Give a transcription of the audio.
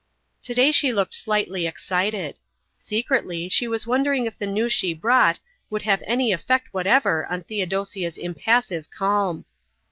Today she looked slightly excited. Secretly she was wondering if the news she brought would have any effect whatever on Theodosia's impassive calm.